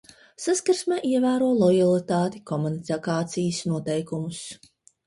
Saskarsmē ievēro lojalitāti, komunikācijas noteikumus.